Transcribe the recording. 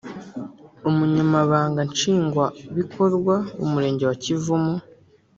Umunyamabanga nshingwabikorwa w’Umurenge wa Kivumu